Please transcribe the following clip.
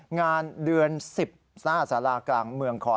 งานเดือน๑๐ซ่าสารากลางเมืองคอ